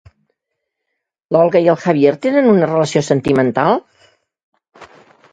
L'Olga i el Javier tenen una relació sentimental?